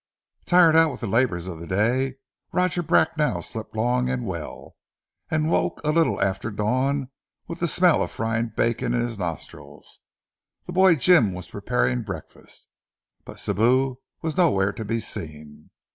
Tired out with the labours of the day, Roger Bracknell slept long and well, and woke a little after dawn with the smell of frying bacon in his nostrils. The boy Jim was preparing breakfast, but Sibou was nowhere to be seen.